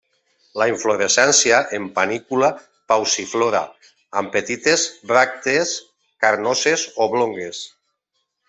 La inflorescència en panícula pauciflora, amb petites bràctees carnoses, oblongues.